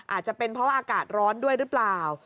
อาจจะเป็นเพราะว่าอากาศร้อนด้วยหรือเปล่า